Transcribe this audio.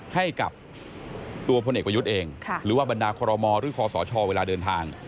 ให้กับตัวพลเอกประยุทธ์เองหรือว่าบรรดาคอรมอหรือคอสชเวลาเดินทาง